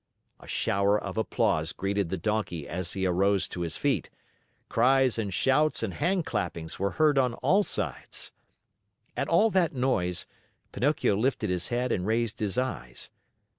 A shower of applause greeted the Donkey as he arose to his feet. Cries and shouts and handclappings were heard on all sides. At all that noise, Pinocchio lifted his head and raised his eyes.